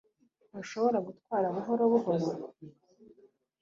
Ntushobora gutwara buhoro buhoro?